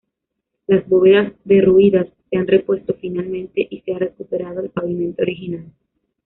Las bóvedas derruidas, se han repuesto finalmente y se ha recuperado el pavimento original.